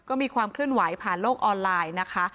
ก็มีความเคลื่อนไหวผ่านโลกออนไลน์นะคะ